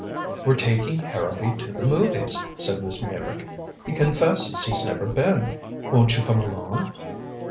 "We're taking Harrowby to the movies," said Miss Meyrick. "He confesses he's never been. Won't you come along?"